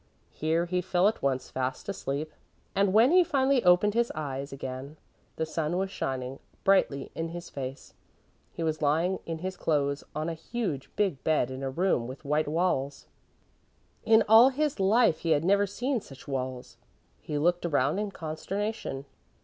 Here he fell at once fast asleep and when he finally opened his eyes again, the sun was shining brightly in his face. He was lying in his clothes on a huge, big bed in a room with white walls. In all his life he had never seen such walls. He looked around in consternation.